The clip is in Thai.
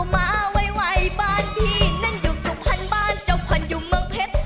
มาไวบ้านพี่นั่งอยู่สุพรรณบ้านเจ้าพันอยู่เมืองเพชร